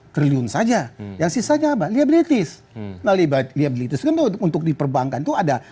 empat ribu tiga ratus enam puluh lima triliun saja yang sisanya balik bisnis melibat liabilitas untuk diperbankan tuh ada